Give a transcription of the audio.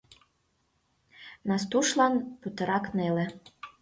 Настушлан путырак неле.